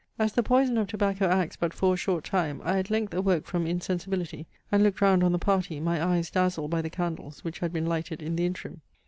As the poison of tobacco acts but for a short time, I at length awoke from insensibility, and looked round on the party, my eyes dazzled by the candles which had been lighted in the interim.